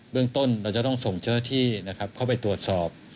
เบื้องต้นเราจะต้องส่งเชื่อที่เข้าไปตรวจสอบ